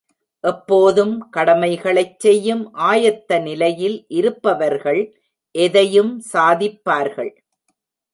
எப்போதும் கடமைகளைச் செய்யும் ஆயத்த நிலையில் இருப்பவர்கள் எதையும் சாதிப்பார்கள்.